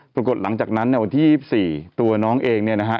ปรากฏหลังจากนั้นเนี่ยวันที่๒๔ตัวน้องเองเนี่ยนะฮะ